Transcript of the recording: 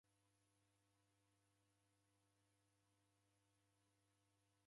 Kwaw'asikira wada?